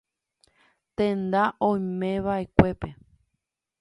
Tenda oimeva'ekuépe.